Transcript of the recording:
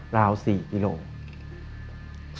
ราว๔กิโลกรัม